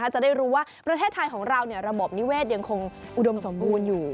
จะได้รู้ว่าประเทศไทยของเราระบบนิเวศยังคงอุดมสมบูรณ์อยู่